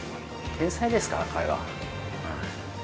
天才ですから、彼は。